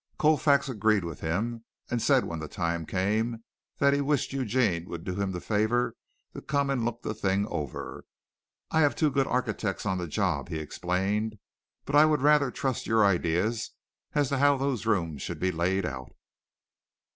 Colfax agreed with him, and said when the time came that he wished Eugene would do him the favor to come and look the thing over. "I have two good architects on the job," he explained, "but I would rather trust your ideas as to how those rooms should be laid out."